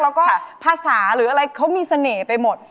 แล้วก็ภาษาหรืออะไรเขามีเสน่ห์ไปหมด